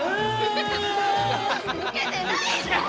ウケてないじゃん！